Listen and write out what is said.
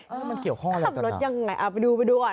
เออมันเกี่ยวข้องอะไรกับรถยังไงเอาไปดูไปดูก่อน